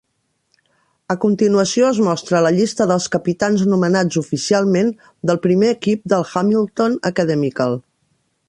A continuació es mostra la llista dels capitans nomenats oficialment del primer equip del Hamilton Academical.